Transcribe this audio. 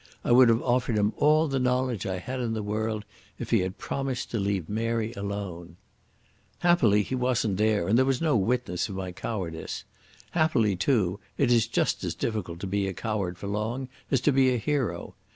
I would have offered him all the knowledge I had in the world if he had promised to leave Mary alone. Happily he wasn't there, and there was no witness of my cowardice. Happily, too, it is just as difficult to be a coward for long as to be a hero.